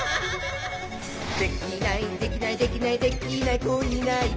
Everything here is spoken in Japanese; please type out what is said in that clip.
「できないできないできないできない子いないか」